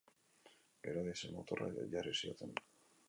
Gero diesel motorra jarri zioten.